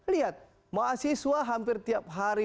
lihat mahasiswa hampir tiap hari